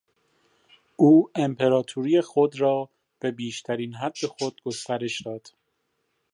او امپراطوری خود را به بیشترین حد خود گسترش داد.